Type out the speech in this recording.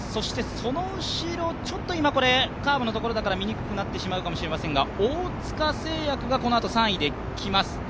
その後ろ、ちょっと今、カーブのところなので見にくくなってしまうかもしれませんが、大塚製薬がこのあと３位で来ます。